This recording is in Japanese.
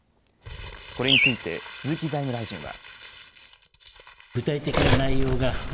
これについて鈴木財務大臣は。